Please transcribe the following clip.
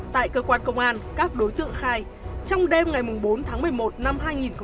tại cơ quan công an các đối tượng khai trong đêm ngày bốn tháng một mươi một năm hai nghìn hai mươi